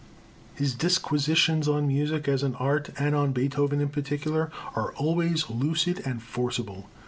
His disquisitions on music as an art and on Beethoven in particular, are always lucid and forcible.